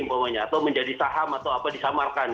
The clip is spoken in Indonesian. atau menjadi saham atau apa disamarkan